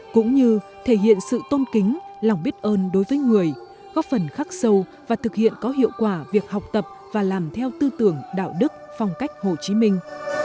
cũng như thể hiện sự tôn kính lòng biết ơn đối với người góp phần khắc sâu và thực hiện có hiệu quả việc học tập và làm theo tư tưởng đạo đức phong cách hồ chí minh